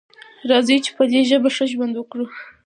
راځئ چې په دې ژبه ښه ژوند وکړو.